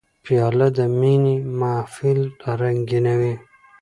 پیاله د مینې محفل رنګینوي.